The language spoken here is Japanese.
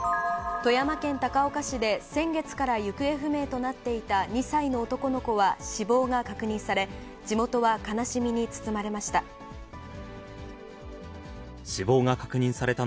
富山県高岡市で、先月から行方不明となっていた２歳の男の子は死亡が確認され、地元は悲しみに包まれました。